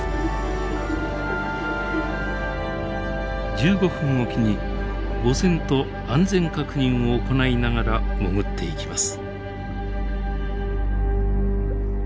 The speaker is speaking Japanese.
１５分置きに母船と安全確認を行いながら潜っていきます。